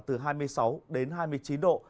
từ hai mươi sáu đến hai mươi chín độ